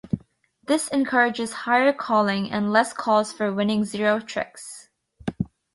This encourages higher calling and less calls for winning zero tricks.